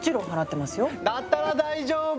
だったら大丈夫！